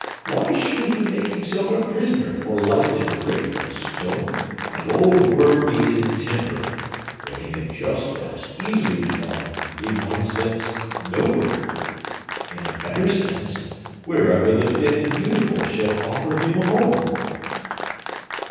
Why should he make himself a prisoner for life in brick, and stone, and old worm eaten timber, when he may just as easily dwell, in one sense, nowhere,—in a better sense, wherever the fit and beautiful shall offer him a home?"